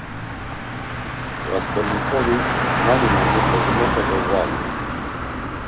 Rasǩolnikovik mani mani bozomota golvalu.